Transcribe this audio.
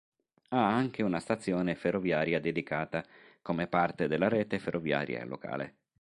Ha anche una stazione ferroviaria dedicata, come parte della rete ferroviaria locale.